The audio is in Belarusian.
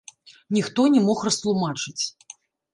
Ніхто не мог растлумачыць.